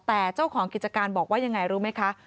แต่เจ้าของกิจการบอกว่ายังไงรู้ไหมคะ